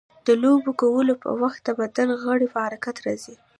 د لوبو کولو په وخت د بدن غړي په حرکت راځي.